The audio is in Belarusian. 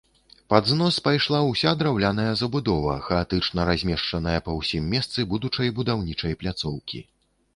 Пад знос пайшла ўся драўляная забудова, хаатычна размешчаная па ўсім месцы будучай будаўнічай пляцоўкі.